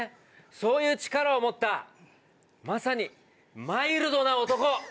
そういう力を持ったまさにマイルドな男。